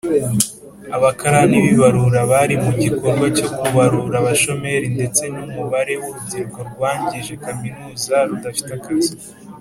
Abakarani b’ibarura bari mu gikorwa cyo kubarura abashomeri ndetse n’umubare w’urubyiruko rwangije kaminuza rudafite akazi.